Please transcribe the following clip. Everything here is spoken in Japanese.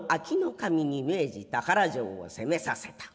守に命じ田原城を攻めさせた。